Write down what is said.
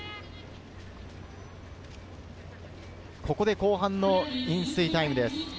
後半の飲水タイムです。